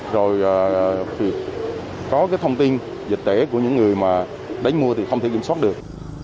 rồi có cái thông tin dịch tễ của những người mà đánh mua thì không thể kiểm soát được